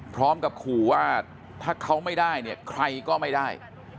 พร้อมกับขู่ว่าถ้าเขาไม่ได้เนี่ยใครก็ไม่ได้